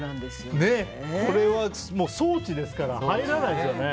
これは装置ですから入らないですよね。